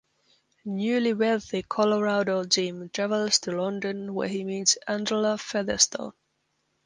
Newly wealthy Colorado Jim travels to London where he meets Angela Featherstone.